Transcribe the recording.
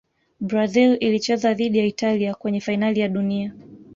brazil ilicheza dhidi ya italia kwenye fainali ya dunia